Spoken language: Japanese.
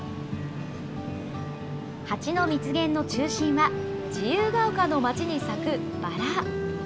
蜂の蜜源の中心は自由が丘の街に咲くバラ。